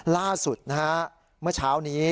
ล่าสุดนะฮะเมื่อเช้านี้